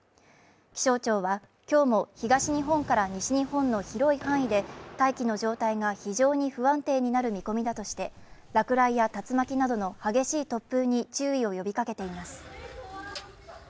気象庁は、今日も東日本から西日本の広い範囲で大気の状態が非常に不安定になる見込みだとして、落雷や竜巻などの激しい突風に注意を呼びかけています。